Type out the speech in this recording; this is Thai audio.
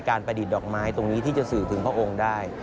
ประดิษฐ์ดอกไม้ตรงนี้ที่จะสื่อถึงพระองค์ได้